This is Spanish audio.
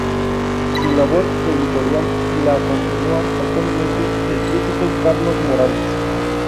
Su labor editorial la continúa actualmente el crítico Carlos Morales.